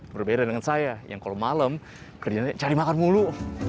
berbeda dengan saya yang kalau malam kerjanya cari makan mulu